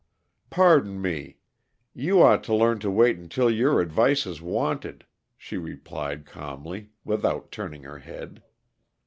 "Pardon me you ought to learn to wait until your advice is wanted," she replied calmly, without turning her head.